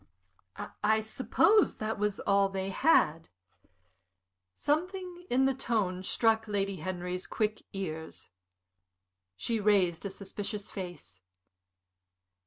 "I suppose that was all they had." Something in the tone struck Lady Henry's quick ears. She raised a suspicious face.